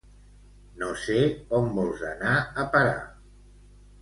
No sé on vols anar a parar.